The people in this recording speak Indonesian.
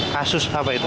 kasus apa itu